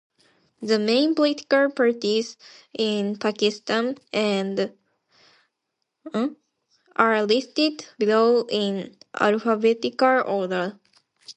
The main political parties in Pakistan are listed below in alphabetical order.